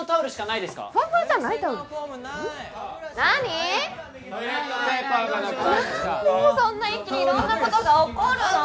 何でそんな一気に色んなことが起こるの？